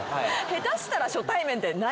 下手したら初対面って何？